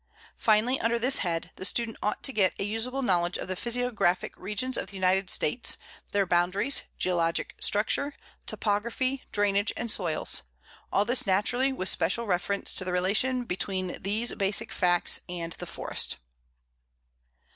Finally, under this head, the student ought to get a usable knowledge of the physiographic regions of the United States, their boundaries, geologic structure, topography, drainage, and soils, all this naturally with special reference to the relation between these basic facts and the forest.